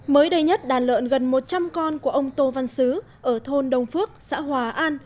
mới đây nhất đàn lợn gần một trăm linh con của ông tô văn sứ ở thôn đồng phước xã hòa an